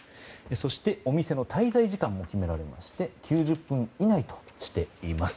そしてお店の滞在時間も決められまして９０分以内としています。